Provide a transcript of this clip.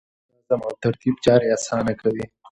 نظم او ترتیب چارې اسانه کوي.